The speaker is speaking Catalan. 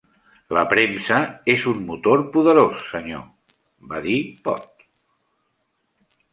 "La premsa és un motor poderós, senyor", va dir Pott.